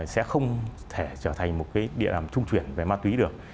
sẽ không thể trở thành một cái địa làm trung chuyển về ma túy được